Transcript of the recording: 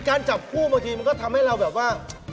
จับคู่บางทีมันก็ทำให้เราแบบว่า